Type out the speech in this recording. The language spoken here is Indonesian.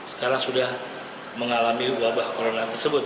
sekarang sudah mengalami wabah covid sembilan belas